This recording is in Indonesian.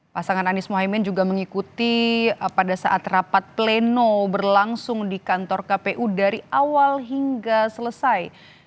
pasangan anies mohaimin juga mengikuti pada saat rapat pleno berlangsung di kantor kpu dari awal hingga selesai